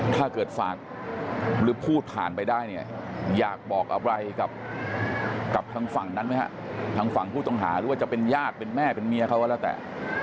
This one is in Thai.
ถ้าเกิดฝากหรือพูดผ่านไปได้เนี่ยอยากบอกอะไรกับทางฝั่งนั้นไหมฮะทางฝั่งผู้ต้องหาหรือว่าจะเป็นญาติเป็นแม่เป็นเมียเขาก็แล้วแต่